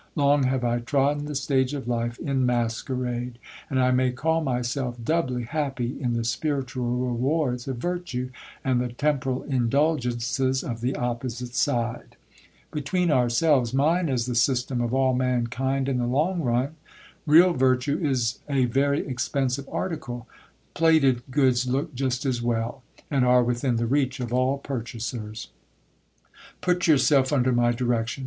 Long have I trodden the stage of life in masquerade ; and I may call myself doubly happy, in the spiritual rewards of virtue, and the temporal indulgences of the opposite side. Between ourselves, mine is the THE JOURNE YMAN BARBERS STOR Y. 69 system of all mankind in the long run. Real virtue is a very expensive article ; plated goods look just as well, and are within the reach of all purchasers. Put yourself under my direction.